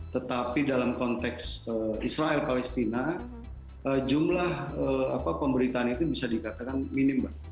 tetapi dalam konteks israel palestina jumlah pemberitaan itu bisa dikatakan minim mbak